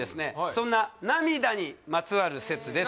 そんな涙にまつわる説です